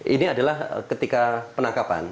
ini adalah ketika penangkapan